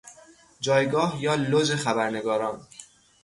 جایگاه یا لژ خبرنگاران